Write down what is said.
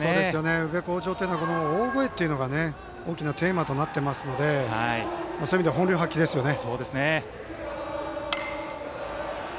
宇部鴻城というのは大声というのが大きなテーマとなっていますので本領発揮ですね。